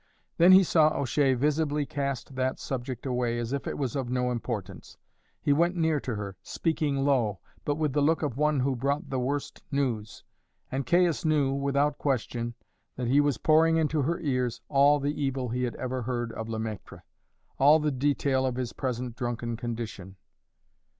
Then he saw O'Shea visibly cast that subject away as if it was of no importance; he went near to her, speaking low, but with the look of one who brought the worst news, and Caius knew, without question, that he was pouring into her ears all the evil he had ever heard of Le Maître, all the detail of his present drunken condition.